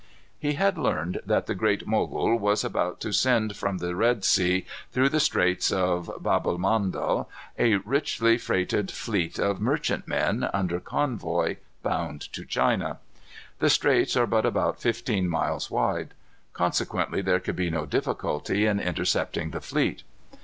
He had learned that the Great Mogul was about to send from the Red Sea, through the Straits of Babelmandel, a richly freighted fleet of merchantmen, under convoy, bound to China. The Straits are but about fifteen miles wide. Consequently there could be no difficulty in intercepting the fleet.